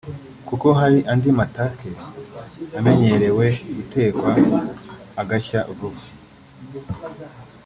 kuko hari andi matake amenyerewe gutekwa agashya vuba